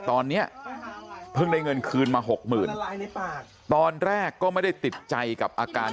ตอนนี้เพิ่งได้เงินคืนมาหกหมื่นตอนแรกก็ไม่ได้ติดใจกับอาการ